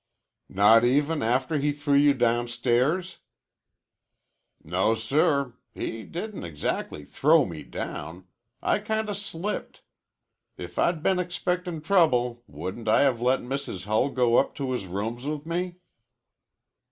"Not even after he threw you downstairs?" "No, sir. He didn't exactly throw me down. I kinda slipped. If I'd been expectin' trouble would I have let Mrs. Hull go up to his rooms with me?"